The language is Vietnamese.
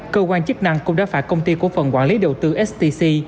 cơ quan chức năng cũng đã phạt công ty cổ phần quản lý đầu tư stc